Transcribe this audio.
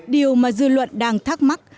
điều mà dư luận đang thắc mắc